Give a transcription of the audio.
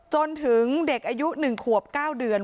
จนถึงเด็กอายุ๑ขวบ๙เดือน